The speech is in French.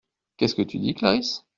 Qu’est-ce que tu dis Clarisse ?